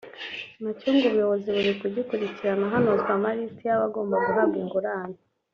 na cyo ngo ubuyobozi buri kugikurikirana hanozwa amarisiti y’abagomba guhabwa ingurane